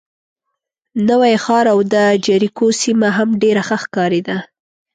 نوی ښار او د جریکو سیمه هم ډېره ښه ښکارېده.